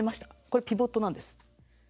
これピボットなんです。